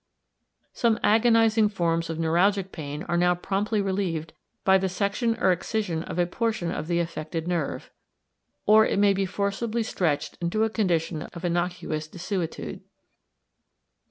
Some agonizing forms of neuralgic pain are now promptly relieved by the section or excision of a portion of the affected nerve; or it may be forcibly stretched into a condition of innocuous desuetude.